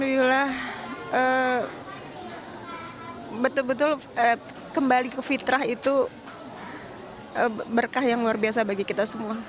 alhamdulillah betul betul kembali ke fitrah itu berkah yang luar biasa bagi kita semua